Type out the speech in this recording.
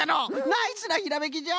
ナイスなひらめきじゃ！